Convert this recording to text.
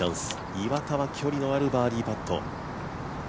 岩田は距離のあるバーディーパット。